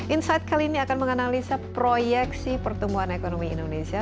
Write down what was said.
insight kali ini akan menganalisa proyeksi pertumbuhan ekonomi indonesia